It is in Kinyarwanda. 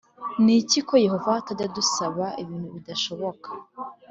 n iki ko Yehova atajya adusaba ibintu bidashoboka